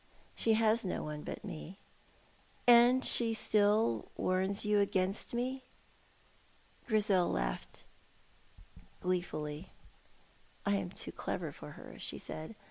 She has no one but me." "And she still warns you against me?" Grizel laughed gleefully. "I am too clever for her," she said.